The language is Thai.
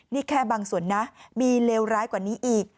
นี่แค่บางส่วนนะมีเลวร้ายกว่านี้อีก